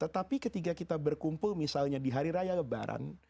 tetapi ketika kita berkumpul misalnya di hari raya lebaran